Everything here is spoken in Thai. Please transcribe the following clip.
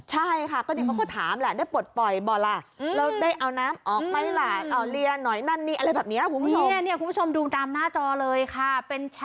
ใช่ค่ะก็ดิเขาก็ถามแหละ